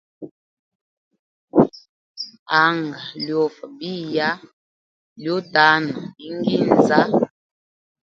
Anga lyofa biya lyo tana inginza.